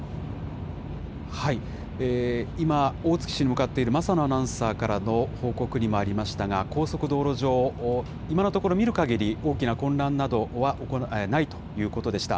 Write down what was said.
今、大月市に向かっている政野アナウンサーからの報告にもありましたが、高速道路上、今のところ、見るかぎり、大きな混乱などはないということでした。